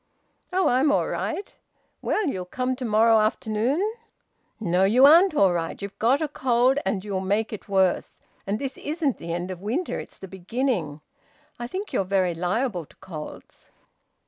"Oh! I'm all right. Well, you'll come to morrow afternoon?" "No, you aren't all right. You've got a cold and you'll make it worse, and this isn't the end of winter, it's the beginning; I think you're very liable to colds."